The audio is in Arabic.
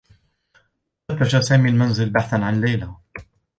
فتّش سامي المنزل بحثا عن ليلى.